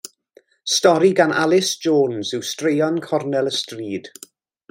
Stori gan Alys Jones yw Straeon Cornel y Stryd.